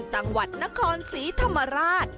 จังหวัดนครศรีธรรมราช